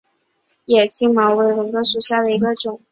野青茅为禾本科野青茅属下的一个种。